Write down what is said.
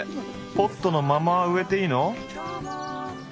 ポットのまま植えていいの？